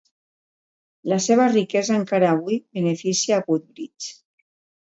La seva riquesa encara avui beneficia a Woodbridge.